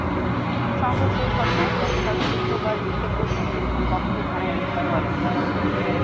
সংঘর্ষের ঘটনায় গতকাল শুক্রবার বিকেল পর্যন্ত কোনো পক্ষই থানায় অভিযোগ করেনি।